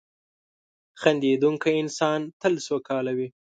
• خندېدونکی انسان تل سوکاله وي.